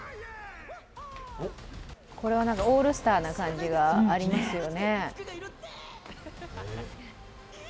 これはオールスターな感じがありますよね。